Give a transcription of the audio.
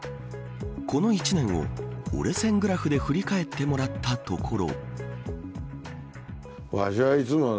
この１年を折れ線グラフで振り返ってもらったところ。